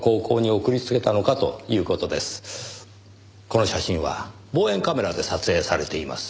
この写真は望遠カメラで撮影されています。